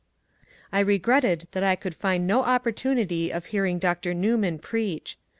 I r^retted that I could find no opportunity of hearing Dr. Newman preach.